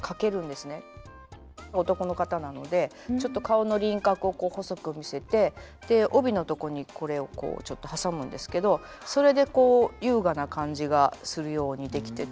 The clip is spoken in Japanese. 男の方なのでちょっと顔の輪郭を細く見せて帯のとこにこれをちょっと挟むんですけどそれでこう優雅な感じがするように出来てて。